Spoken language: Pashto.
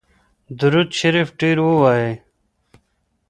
درود شریف ډیر ووایئ.